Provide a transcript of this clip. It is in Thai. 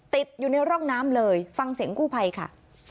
ติดอยู่ในร่องน้ำเลยฟังเสียงกู้ภัยค่ะ